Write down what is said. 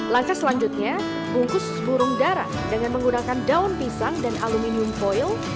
langkah selanjutnya bungkus burung darah dengan menggunakan daun pisang dan aluminium foil